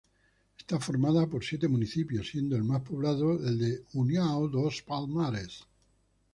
Es formada por siete municipios, siendo el más poblado el de União dos Palmares.